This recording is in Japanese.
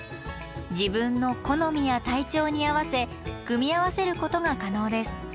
自分の好みや体調に合わせ組み合わせることが可能です。